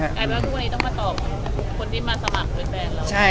ทุกคนที่จะมาสมัครด้วยแบรนด์เรา